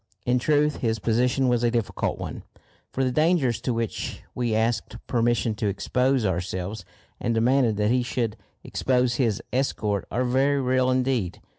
In truth, his position was a difficult one, for the dangers to which we asked permission to expose ourselves and demanded that he should expose his escort are very real indeed.